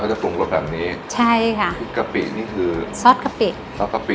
จะปรุงรสแบบนี้ใช่ค่ะพริกกะปินี่คือซอสกะปิซอสกะปิ